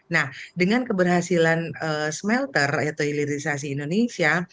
nah dengan keberhasilan smelter atau hilirisasi indonesia